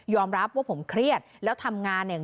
รับว่าผมเครียดแล้วทำงานเนี่ย